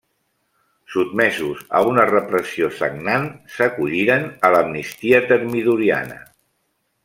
Sotmesos a una repressió sagnant, s'acolliren a l'amnistia termidoriana.